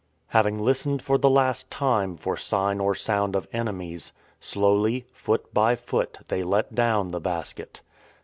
Having listened for the last time for sign or sound of enemies, slowly, foot by foot they let down the basket.